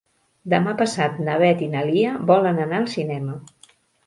Demà passat na Beth i na Lia volen anar al cinema.